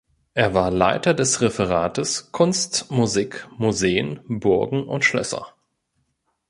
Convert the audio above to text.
Er war Leiter des Referates Kunst, Musik, Museen, Burgen und Schlösser.